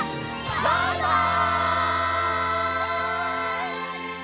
バイバイ！